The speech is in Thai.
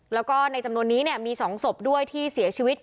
แล้วก็ในจำนวนนี้มี๒ศพด้วยที่เสียชีวิต